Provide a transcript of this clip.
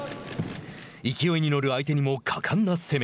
勢いに乗る相手にも果敢な攻め。